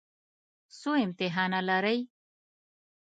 څو امتحانه لرئ؟